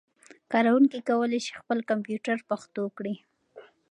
کاروونکي کولای شي خپل کمپيوټر پښتو کړي.